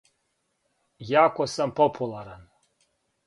Јако сам популаран.